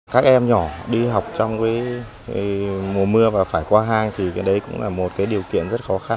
các em nhỏ đi học trong mùa mưa và phải qua hang thì cái đấy cũng là một điều kiện rất khó khăn